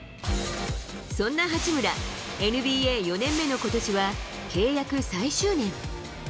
そんな八村、ＮＢＡ４年目のことしは、契約最終年。